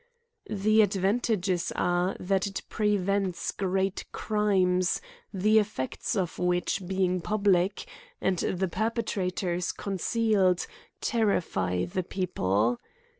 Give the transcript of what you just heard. The advantages are, that it prevents great crimes, the effects of which being public, and the perpetrators concealed, terrify the people.